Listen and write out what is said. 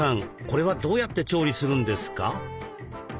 これはどうやって調理するんですか？